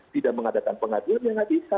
tidak mengadakan pengaduan ya nggak bisa